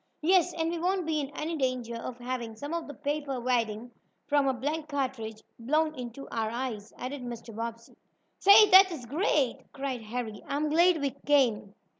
"Yes, and we won't be in any danger of having some of the paper wadding from a blank cartridge blown into our eyes," added Mr. Bobbsey. "Say, this is great!" cried Harry. "I'm glad we came."